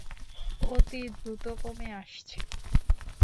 অতি দ্রুত কমে আসছে।